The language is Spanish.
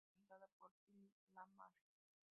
Su voz es representada por Phil LaMarr.